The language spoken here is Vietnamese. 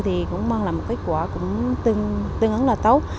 thì cũng mang lại một kết quả cũng tương ứng là tốt